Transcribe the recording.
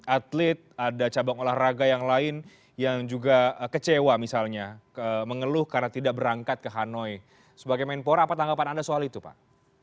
atlet ada cabang olahraga yang lain yang juga kecewa misalnya mengeluh karena tidak berangkat ke hanoi sebagai menpora apa tanggapan anda soal itu pak